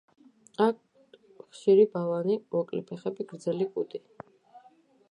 აქვთ ხშირი ბალანი, მოკლე ფეხები, გრძელი კუდი.